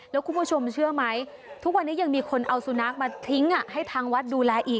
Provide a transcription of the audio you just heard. แล้วคุณผู้ชมเชื่อไหมทุกวันนี้ยังมีคนเอาสุนัขมาทิ้งให้ทางวัดดูแลอีก